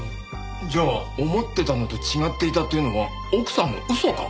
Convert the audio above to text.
じゃあ思ってたのと違っていたというのは奥さんの嘘か？